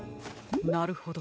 なるほど。